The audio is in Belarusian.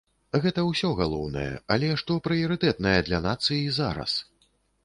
Гэта ўсё галоўнае, але што прыярытэтнае для нацыі зараз?